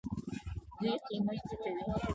دوی قیمت ټیټوي.